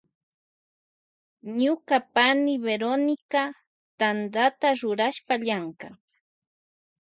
Ñuka pani Verónica llankan Tanta rurashpa.